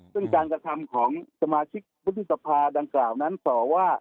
ซึ่งการกระทำของสมาชิกวุฒิสภาดังกล่าวนั้นต่อว่า